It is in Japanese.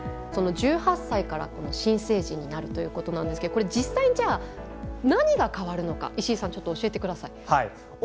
１８歳から新成人になるということなんですけどこれ実際にじゃあ何が変わるのか石井さんちょっと教えてください。